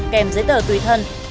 kèm giấy tờ tùy thân